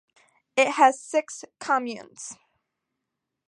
It has six communes.